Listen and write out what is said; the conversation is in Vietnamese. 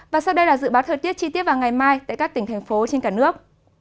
và sau đây là dự báo thời tiết chi tiết vào ngày mai tại các tỉnh thành phố trên cả nước